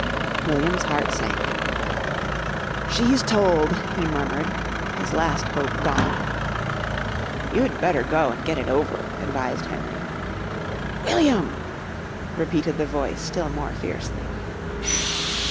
William's heart sank. "She's told," he murmured, his last hope gone. "You'd better go and get it over," advised Henry. "William!" repeated the voice still more fiercely.